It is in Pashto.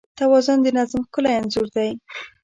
توازن د نظم ښکلی انځور دی.